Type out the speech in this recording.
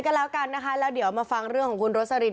ก็แล้วกันนะคะแล้วเดี๋ยวมาฟังเรื่องของคุณโรสลิน